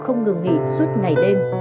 không ngừng nghỉ suốt ngày đêm